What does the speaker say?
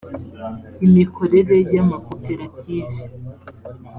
imikorere y amakoperative